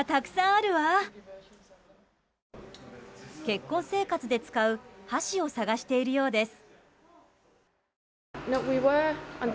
結婚生活で使う箸を探しているようです。